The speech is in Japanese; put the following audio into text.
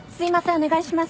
お願いします。